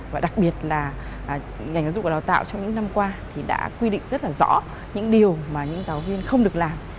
và đặc biệt là ngành giáo dục và đào tạo trong những năm qua thì đã quy định rất là rõ những điều mà những giáo viên không được làm